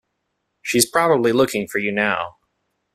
She's probably looking for you now.